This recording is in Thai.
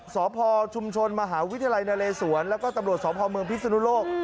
สภชุมชนมหาวิทยาลัยนระเรศวรและก็ตำรวจสภเมืองพิศนุโรค